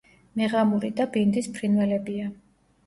მეღამური და ბინდის ფრინველებია.